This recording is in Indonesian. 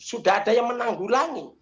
sudah ada yang menanggulangi